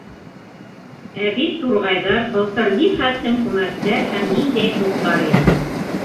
Ә бит турғайҙар былтыр ни хәтлем күмәктәр һәм ниндәй туҡтар ине.